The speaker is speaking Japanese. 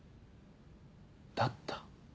「だった」？